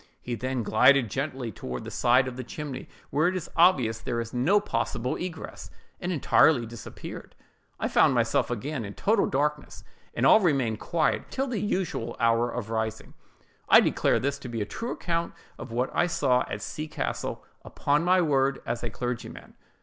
He then glided gently away toward the side of the chimney, where it is obvious there is no possible egress, and entirely disappeared. I found myself again in total darkness, and all remained quiet until the usual hour of rising. I declare this to be a true account of what I saw at C—— castle, upon my word as a clergyman."